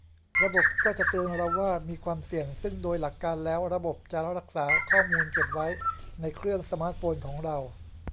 ระบบก็จะเตือนเราว่ามีความเสี่ยง ซึ่งโดยหลักการแล้วระบบจะรักษาข้อมูลเก็บไว้ในเครื่องสมาร์ทโฟนของเรา